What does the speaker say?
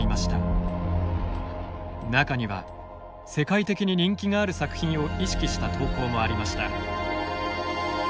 中には世界的に人気がある作品を意識した投稿もありました。